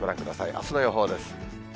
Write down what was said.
あすの予報です。